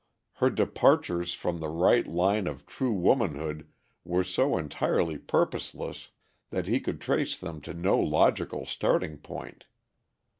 Her departures from the right line of true womanhood were so entirely purposeless that he could trace them to no logical starting point.